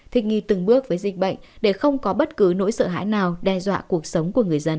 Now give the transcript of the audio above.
thích nghi từng bước với dịch bệnh để không có bất cứ nỗi sợ hãi nào đe dọa cuộc sống của người dân